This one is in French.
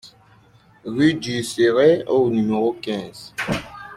Rue d'Urcerey au numéro quinze